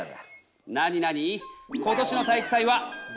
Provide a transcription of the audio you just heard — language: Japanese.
何何？